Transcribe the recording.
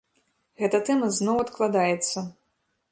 Гэта тэма зноў адкладаецца.